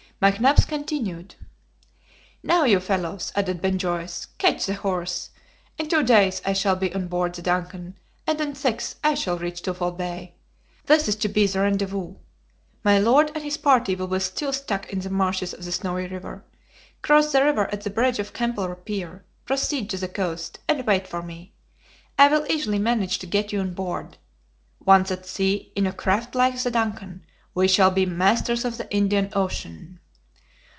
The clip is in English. McNabbs continued: "'Now you fellows,' added Ben Joyce, 'catch the horse. In two days I shall be on board the DUNCAN, and in six I shall reach Twofold Bay. This is to be the rendezvous. My Lord and his party will be still stuck in the marshes of the Snowy River. Cross the river at the bridge of Kemple Pier, proceed to the coast, and wait for me. I will easily manage to get you on board. Once at sea in a craft like the DUNCAN, we shall be masters of the Indian Ocean.